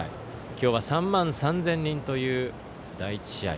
今日は３万３０００人という第１試合。